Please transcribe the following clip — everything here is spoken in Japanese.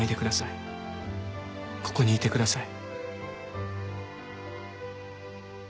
ここにいてください。